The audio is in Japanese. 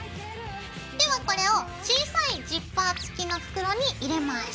ではこれを小さいジッパー付きの袋に入れます。